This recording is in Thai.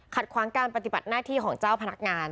ขวางการปฏิบัติหน้าที่ของเจ้าพนักงาน